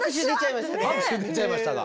拍手出ちゃいましたね。